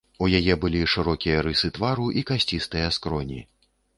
У яе былі шырокія рысы твару і касцістыя скроні.